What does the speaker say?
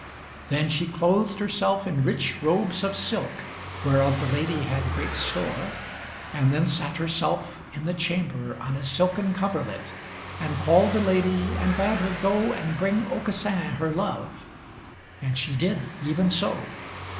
Then she clothed herself in rich robes of silk whereof the lady had great store, and then sat herself in the chamber on a silken coverlet, and called the lady and bade her go and bring Aucassin her love, and she did even so.